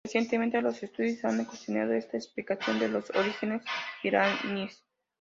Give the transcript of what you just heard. Recientemente, los estudiosos han cuestionado esta explicación de los orígenes iraníes.